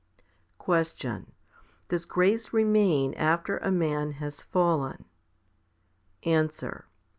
17. Question. Does grace remain after a man has fallen? Answer.